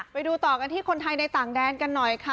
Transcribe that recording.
ไปดูต่อกันที่คนไทยในต่างแดนกันหน่อยค่ะ